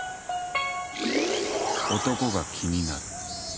男が気になる。